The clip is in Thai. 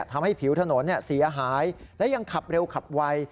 ทำให้ผิวถนนเสียหายและยังขับเร็วขับไว